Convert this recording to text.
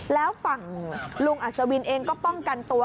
แล้วฝั่งลุงอัศวินเองก็ป้องกันตัว